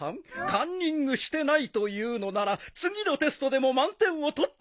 カンニングしてないと言うのなら次のテストでも満点を取ってください。